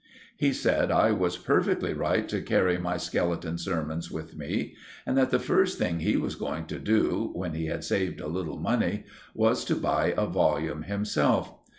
He said I was perfectly right to carry my Skeleton Sermons with me, and that the first thing he was going to do, when he had saved a little money, was to buy a volume himself.